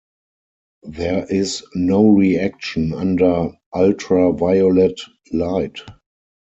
There is no reaction under ultraviolet light.